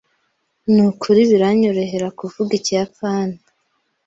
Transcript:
Nukuri biranyoroheye kuvuga Ikiyapani.